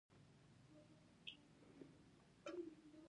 بریتانیا کې یو متخصص ډاکتر سرمید میزیر